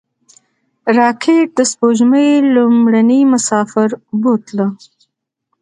راکټ د سپوږمۍ لومړنی مسافر بوتله